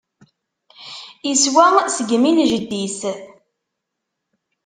Iswa seg imi n jeddi-s.